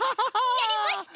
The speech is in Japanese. やりました！